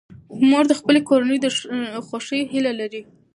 مور د خپلې کورنۍ د خوښۍ هیله لري.